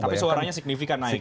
tapi suaranya signifikan naik